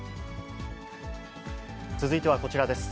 続いてはこちらです。